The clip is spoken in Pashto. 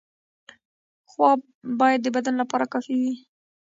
خواب باید د بدن لپاره کافي وي.